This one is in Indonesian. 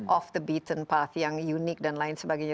off the beaten path yang unik dan lain sebagainya